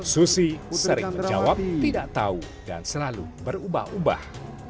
susi sering menjawab tidak tahu dan selalu berubah ubah